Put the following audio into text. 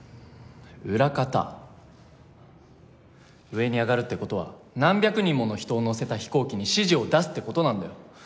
上に上がるって事は何百人もの人を乗せた飛行機に指示を出すって事なんだよ。